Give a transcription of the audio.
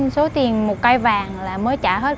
số tiền một cây vàng là mới trả hết